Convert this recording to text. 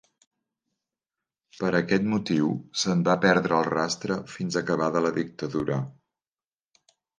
Per aquest motiu se'n va perdre el rastre fins acabada la dictadura.